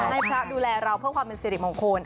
ให้พระดูแลเราเพื่อความเป็นสิริมงคล